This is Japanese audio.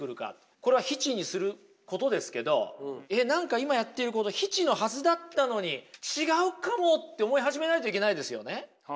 これは非−知にすることですけど何か今やっていること非−知のはずだったのに違うかもって思い始めないといけないですよね。